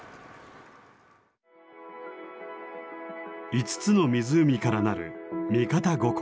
５つの湖からなる三方五湖。